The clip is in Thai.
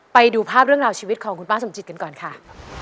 ไปดูภาพเรื่องราวชีวิตของคุณป้าสมจิตกันก่อนค่ะ